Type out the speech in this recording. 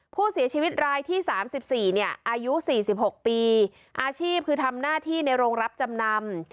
ผู้เสียชีวิตรายที่๓๔เนี่ยอายุ๔๖ปีอาชีพคือทำหน้าที่ในโรงรับจำนำ